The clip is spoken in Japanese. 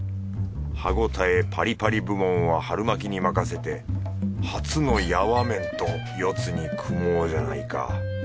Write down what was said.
歯応えパリパリ部門は春巻に任せて初のやわ麺と四つに組もうじゃないか